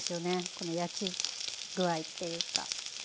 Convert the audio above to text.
この焼き具合っていうか。